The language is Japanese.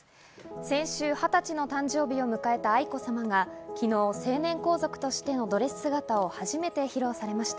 先週２０歳の誕生日を迎えた愛子さまが昨日、成年皇族としてのドレス姿を初めて披露されました。